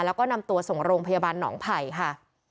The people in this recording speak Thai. แล้วก็นำตัวส่งโรงพยาบาลหนองไผ่ค่ะ